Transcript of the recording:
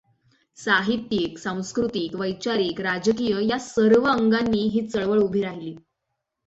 साहित्यिक, सांस्कृतिक, वैचारिक, राजकीय या सर्व अंगानी ही चळवळ उभी राहिली.